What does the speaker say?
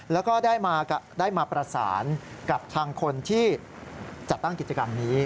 แล้วก็ได้มาประสานกับทางคนที่จัดตั้งกิจกรรมนี้